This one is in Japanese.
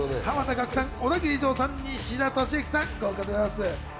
濱田岳さん、オダギリジョーさん、西田敏行さん、豪華でございます。